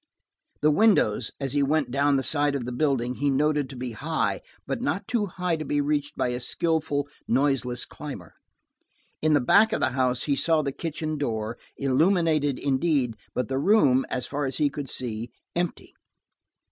The windows, as he went down the side of the building, he noted to be high, but not too high to be reached by a skillful, noiseless climber. In the back of the house he saw the kitchen door, illumined indeed, but the room, as far as he could see, empty.